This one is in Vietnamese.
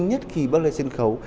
nhất khi bắt lên sân khấu